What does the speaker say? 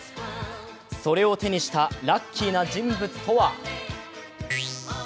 それを手にしたラッキーな人物とは？